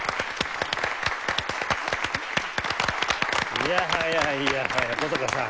いやはやいやはや古坂さん